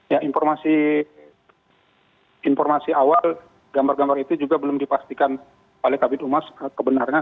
ya informasi informasi awal gambar gambar itu juga belum dipastikan oleh kabinet umas kebenarnya